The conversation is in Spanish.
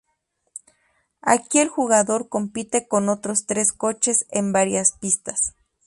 Aquí el jugador compite con otros tres coches en varias pistas.